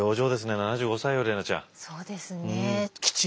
７５歳よ怜奈ちゃん。